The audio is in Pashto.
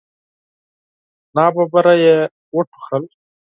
ناڅاپه يې وټوخل.